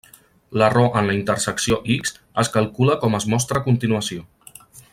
L'error en la intersecció x es calcula com es mostra a continuació.